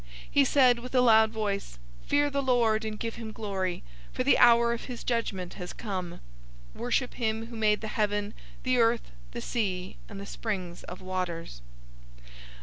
014:007 He said with a loud voice, "Fear the Lord, and give him glory; for the hour of his judgment has come. Worship him who made the heaven, the earth, the sea, and the springs of waters!"